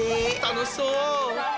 楽しそう！